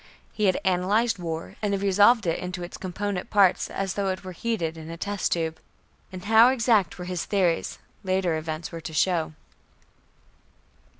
He had analyzed war and resolved it into its component parts, as though it were heated in a test tube. And how exact were his theories, later events were to show.